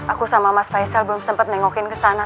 aku sama mas faisal belum sempat nengokin ke sana